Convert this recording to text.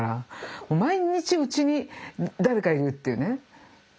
毎日うちに誰かいるっていうね。